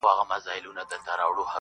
گراني راته راکړه څه په پور باڼه,